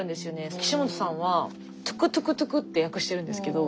岸本さんは「トゥクトゥクトゥク！」って訳してるんですけど